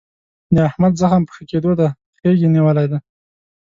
د احمد زخم په ښه کېدو دی. خیګ یې نیولی دی.